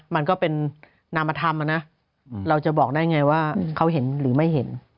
มันก็เป็นนามธรรมนะเราจะบอกได้ไงว่าเขาเห็นหรือไม่เห็น